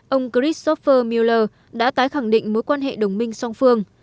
ông christopher mueller đã tái khẳng định mối quan hệ đồng minh song phương